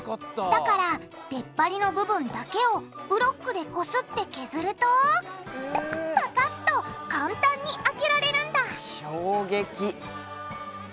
だから出っ張りの部分だけをブロックでこすって削るとパカッと簡単に開けられるんだ衝撃。